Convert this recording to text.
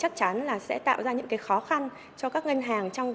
điều này chắc chắn sẽ tạo ra những khó khăn cho các ngân hàng